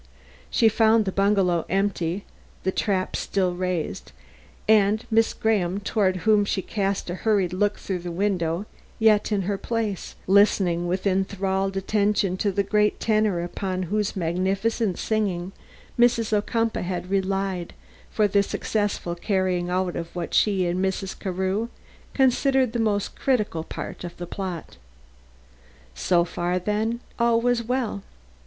She found the bungalow empty, the trap still raised, and Miss Graham, toward whom she cast a hurried look through the window, yet in her place, listening with enthralled attention to the great tenor upon whose magnificent singing Mrs. Ocumpaugh had relied for the successful carrying out of what she and Mrs. Carew considered the most critical part of the plot. So far then, all was well.